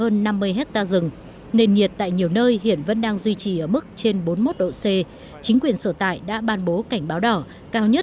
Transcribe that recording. nền nhiệt tăng cao cũng gây cháy rừng trên diện rộng tại đông bắc tây ban nha